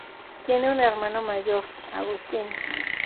Tiene un hermano mayor, Agustín.